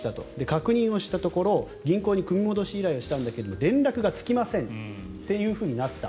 確認したところ銀行に組み戻し依頼したんだけど連絡がつきませんとなった。